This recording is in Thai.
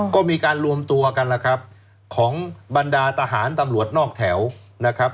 ก็มีการรวมตัวกันล่ะครับของบรรดาทหารตำรวจนอกแถวนะครับ